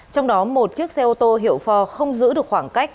trong đó một chiếc xe ô tô hiệu phò không giữ được khoảng cách